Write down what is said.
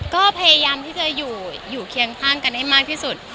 ก็พยายามที่จะอยู่เคียงข้างกันให้มากที่สุด